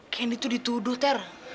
candy tuh dituduh ter